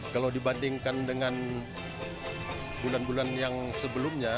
kalau dibandingkan dengan bulan bulan yang sebelumnya